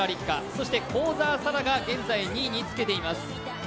そして幸澤沙良が現在２位につけています。